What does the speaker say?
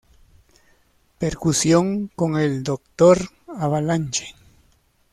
Percusión con el Doktor Avalanche.